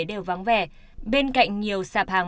đều vắng vẻ bên cạnh nhiều sạp hàng